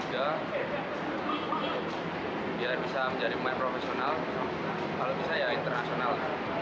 kalau bisa ya internasional